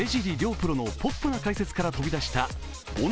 プロのポップな解説から飛び出したゴン